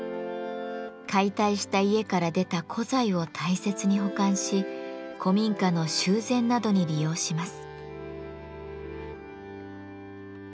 解体した家から出た古材を大切に保管し古民家の修繕などに利用します。